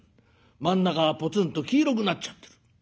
真ん中がぽつんと黄色くなっちゃってる。